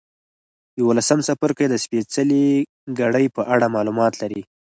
یوولسم څپرکی د سپېڅلې کړۍ په اړه معلومات لري.